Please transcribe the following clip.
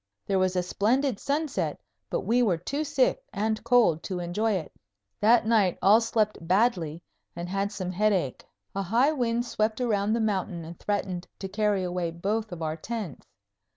There was a splendid sunset, but we were too sick and cold to enjoy it. That night all slept badly and had some headache. A high wind swept around the mountain and threatened to carry away both of our tents.